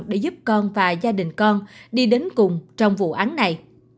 để giúp con và gia đình con đi đến cùng trong vụ án này